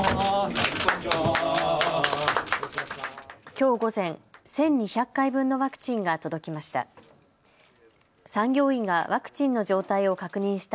きょう午前、１２００回分のワクチンが届きました。